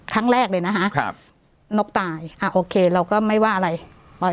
ครั้งแรกเลยนะคะครับนกตายอ่าโอเคเราก็ไม่ว่าอะไรปล่อย